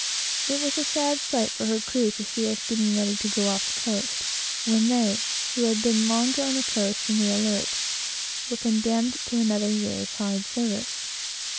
It was a sad sight for her crew to see us getting ready to go off the coast, while they, who had been longer on the coast than the Alert, were condemned to another year's hard service.